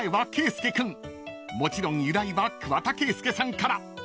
［もちろん由来は桑田佳祐さんから］